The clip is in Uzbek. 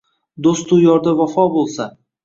Do’stu yorda vafo bo’lsa